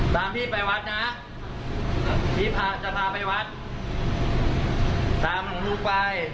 สวัสดีครับ